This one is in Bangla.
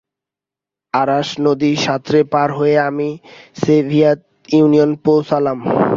আরাস নদী সাঁতরে পার হয়ে আমি সোভিয়েত ইউনিয়ন পৌঁছালাম।